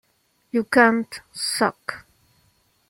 You can't suck.